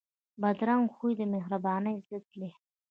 بدرنګه خوی د مهربانۍ ضد دی